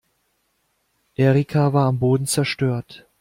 Erika war am Boden zerstört.